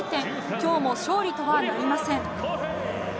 今日も勝利とはなりません。